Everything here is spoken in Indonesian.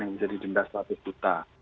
yang bisa didenda seratus juta